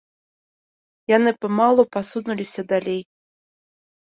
Яны памалу пасунуліся далей.